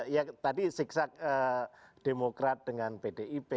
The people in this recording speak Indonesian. ya tadi siksa demokrat dengan pdip